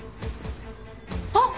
あっ！